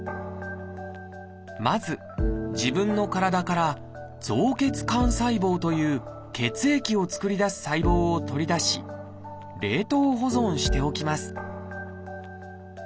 まず自分の体から「造血幹細胞」という血液を造り出す細胞を取り出し冷凍保存しておきます。